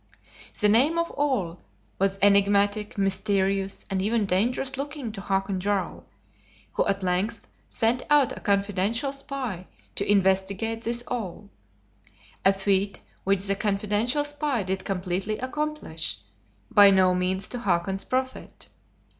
The name of "Ole" was enigmatic, mysterious, and even dangerous looking to Hakon Jarl; who at length sent out a confidential spy to investigate this "Ole;" a feat which the confidential spy did completely accomplish, by no means to Hakon's profit!